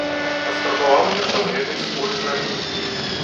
Паспрабаваў нешта з гэтай скуры зрабіць.